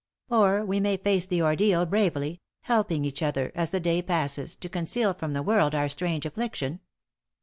Or we may face the ordeal bravely, helping each other, as the day passes, to conceal from the world our strange affliction.